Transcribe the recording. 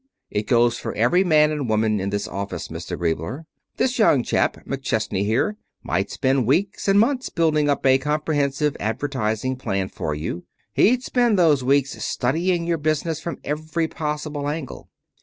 "It goes for every man and woman in this office, Mr. Griebler. This young chap, McChesney here, might spend weeks and months building up a comprehensive advertising plan for you. He'd spend those weeks studying your business from every possible angle.